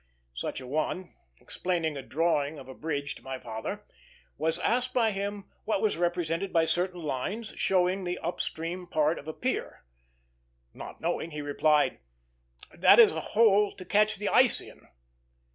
Such a one, explaining a drawing of a bridge to my father, was asked by him what was represented by certain lines, showing the up stream part of a pier. Not knowing, he replied, "That is a hole to catch the ice in."